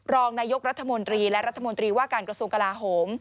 รองนายกรัฐมนตรีและรัฐมนตรีว่าการกระทรวงกลาโหม